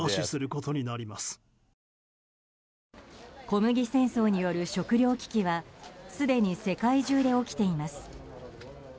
小麦戦争による食糧危機はすでに世界中で起きています。